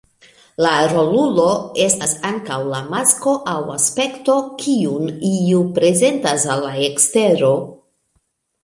La rolulo estas ankaŭ la masko aŭ aspekto kiun iu prezentas al la ekstero.